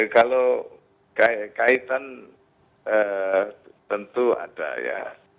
kalau kaitan tentu ada ya